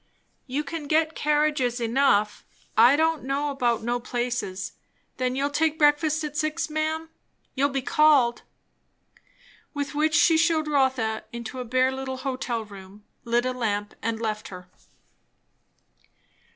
"You can get carriages enough. I don't know about no places. Then you'll take breakfast at six, ma'am? You'll be called." With which she shewed Rotha into a bare little hotel room, lit a lamp, and left her.